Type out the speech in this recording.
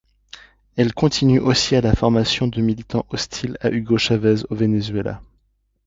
Elle continue aussi à la formation de militants hostile à Hugo Chavez au Venezuela.